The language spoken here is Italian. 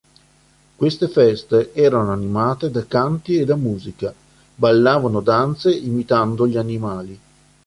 Queste feste erano animate da canti e da musica, ballavano danze imitando gli animali.